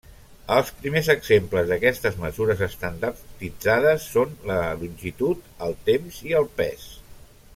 Els primers exemples d'aquestes mesures estandarditzades són la longitud, el temps i el pes.